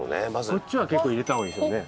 こっちは結構入れた方がいいですよね。